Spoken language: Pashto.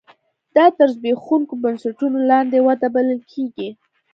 دا تر زبېښونکو بنسټونو لاندې وده بلل کېږي.